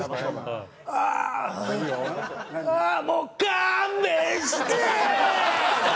「ああああもう勘弁して！」。